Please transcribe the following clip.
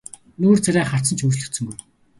Нүүр царай харц нь ч өөрчлөгдсөнгүй.